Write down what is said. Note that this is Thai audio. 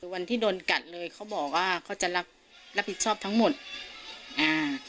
วันที่โดนกัดเลยเขาบอกว่าเขาจะรับรับผิดชอบทั้งหมดอ่า